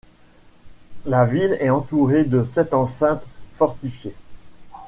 La ville est entourée de sept enceintes fortifiées.